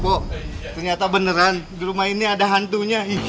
kok ternyata beneran di rumah ini ada hantunya